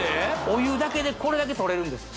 お湯だけでこれだけ取れるんです